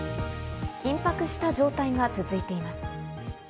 緊迫した状態が続いています。